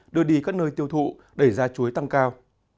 đưa đi các nơi tiêu thụ đẩy ra chuối tăng cao